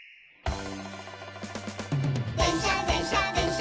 「でんしゃでんしゃでんしゃっ